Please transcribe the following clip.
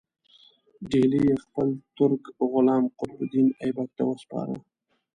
ډهلی یې خپل ترک غلام قطب الدین ایبک ته وسپاره.